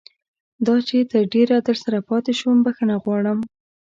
دا چې تر ډېره درسره پاتې شوم بښنه غواړم.